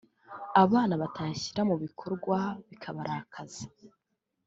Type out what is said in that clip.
abana batayashyira mu bikorwa bikabarakaza